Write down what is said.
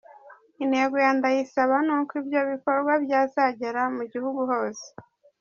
Intego ya Ndayisaba ni uko ibyo bikorwa byazagera mu gihugu hose.